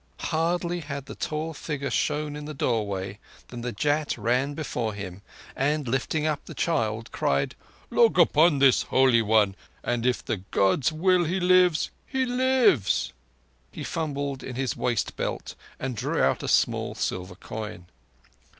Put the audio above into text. Hardly had the tall figure shown in the doorway than the Jat ran before him, and, lifting up the child, cried: "Look upon this, Holy One; and if the Gods will, he lives—he lives!" He fumbled in his waist belt and drew out a small silver coin.